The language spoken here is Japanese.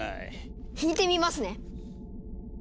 弾いてみますね。